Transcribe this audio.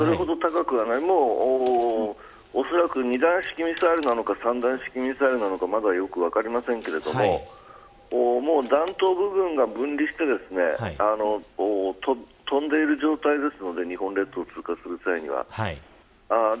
おそらく２段式ミサイルなのか３段式ミサイルかよく分かりませんが弾頭部分が分離して飛んでいる状態ですので日本列島を通過する際には。